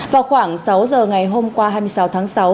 vào khoảng sáu giờ ngày hôm qua hai mươi sáu tháng sáu